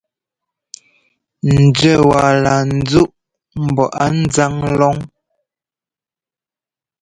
Nzúɛ́ waa laa nzúʼ mbɔ á nzáŋ lɔn.